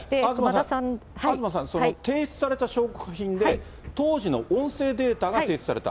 東さん、提出された証拠品で、当時の音声データが提出された？